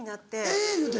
「えっ⁉」言うて。